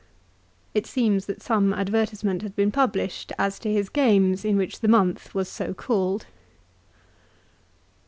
It seems that some advertisement had been published as to his games in which the month was so called.